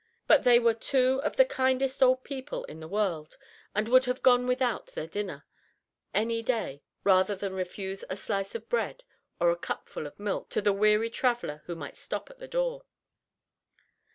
But they were two of the kindest old people in the world, and would have gone without their dinner any day, rather than refuse a slice of bread or a cupful of milk to the weary traveler who might stop at the door.